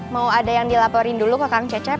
mau ada yang dilaporin dulu ke kang cecep